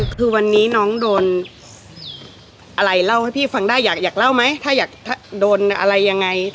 คือวันนี้น้องโดนอะไรเล่าให้พี่ฟังได้อยากเล่าไหมถ้าอยากโดนอะไรยังไง